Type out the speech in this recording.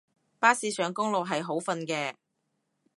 巴士上公路係好瞓嘅